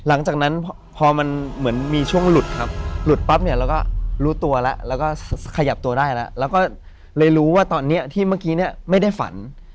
หลังจากนั้นพอมันเหมือนมีช่วงหลุดครับหลุดปั๊บเนี่ยเราก็รู้ตัวแล้วแล้วก็ขยับตัวได้แล้วแล้วก็เลยรู้ว่าตอนนี้ที่เมื่อกี้เนี่ยไม่ได้ฝัน